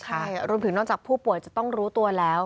ใช่รวมถึงนอกจากผู้ป่วยจะต้องรู้ตัวแล้ว